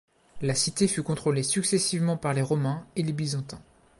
La cité fut contrôlée successivement par les Romains et les Byzantins.